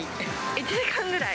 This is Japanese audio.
１時間ぐらい？